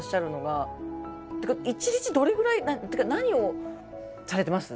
一日どれぐらいっていうか何をされてます？